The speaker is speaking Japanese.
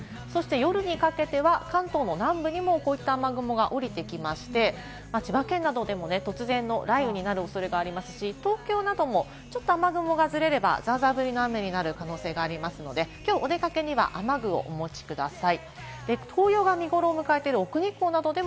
夜にかけては関東の南部にもこういった雨雲がおりてきまして、千葉県などでも突然雷雨になる恐れがありますし、東京などもちょっと雨雲がずれればザーザー降りの雨になる可能性がありますので、お出かけにはきょう雨具をお持ちください。